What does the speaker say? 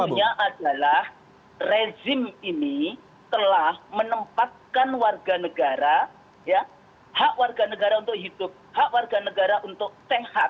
satunya adalah rezim ini telah menempatkan warga negara hak warga negara untuk hidup hak warga negara untuk sehat